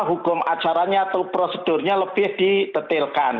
hukum acaranya atau prosedurnya lebih didetailkan